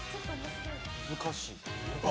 難しい。